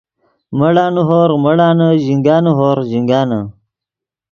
مڑانے ہورغ مڑانے ژینگانے ہورغ ژینگانے